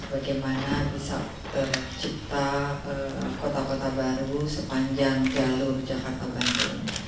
bagaimana bisa tercipta kota kota baru sepanjang jalur jakarta bandung